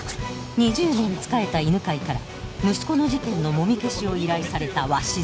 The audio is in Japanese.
２０年仕えた犬飼から息子の事件のもみ消しを依頼された鷲津。